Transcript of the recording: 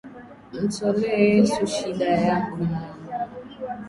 Mtolee Yesu shida yako mama.